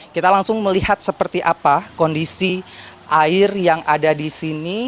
kita langsung melihat seperti apa kondisi air yang ada di sini